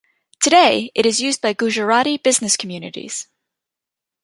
Today it is used by Gujarati business communities.